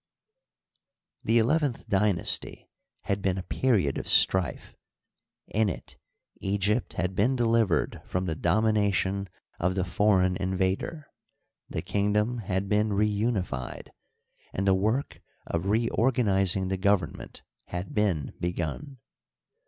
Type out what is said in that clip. — The eleventh dynasty had been a period of strife ; in it Egypt had been delivered from the domination of the foreign in vader, the kingdom had been reunified, and the work of reorganizing the government had been, begun.